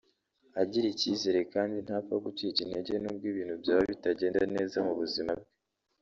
agira ikizere kandi ntapfa gucika intege n’ubwo ibintu byaba bitagenda neza mu buzima bwe